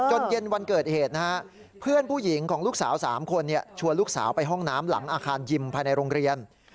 เย็นวันเกิดเหตุนะฮะเพื่อนผู้หญิงของลูกสาว๓คนชวนลูกสาวไปห้องน้ำหลังอาคารยิมภายในโรงเรียน